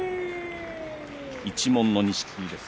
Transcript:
一門の錦木です。